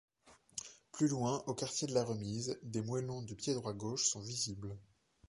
Plus loin, au quartier de la Remise, des moellons du piédroit gauche sont visibles.